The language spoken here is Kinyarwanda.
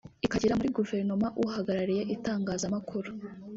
ikagira muri guverinoma uhagarariye itangazamakuru